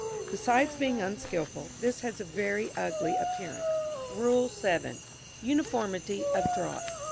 Besides being unskilful, this has a very ugly appearance. RULE VII. UNIFORMITY OF DRAUGHT.